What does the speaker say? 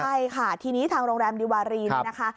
ใช่ค่ะทีนี้ทางโรงแรมดีวารีเนี่ยนะคะ